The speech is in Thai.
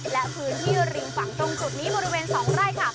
และพื้นที่ริมฝั่งตรงจุดนี้บริเวณ๒ไร่ค่ะ